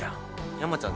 山ちゃん